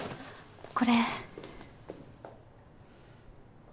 これ。